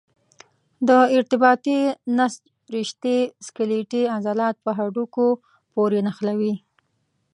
د ارتباطي نسج رشتې سکلیټي عضلات په هډوکو پورې نښلوي.